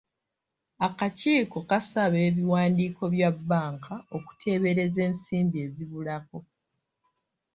Akakiiko kasaba ebiwandiiko bya bbanka okuteebereza ensimbi ezibulako.